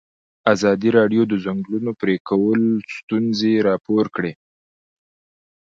ازادي راډیو د د ځنګلونو پرېکول ستونزې راپور کړي.